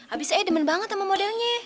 abisnya ayah demen banget sama modelnya